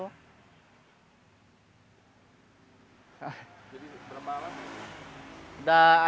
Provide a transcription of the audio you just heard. jadi berapa lama